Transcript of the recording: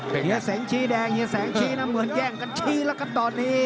เหยียะแสงชี้แดงเหยียะแสงชี้นะมันย่างกันชี้แล้วกันตอนนี้